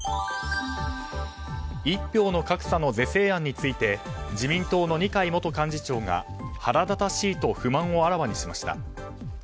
一票の格差の是正案について自民党の二階元幹事長が腹立たしいと不満をあらわにしました。